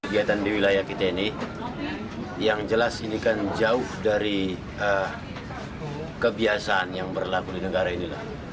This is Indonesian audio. kegiatan di wilayah kita ini yang jelas ini kan jauh dari kebiasaan yang berlaku di negara ini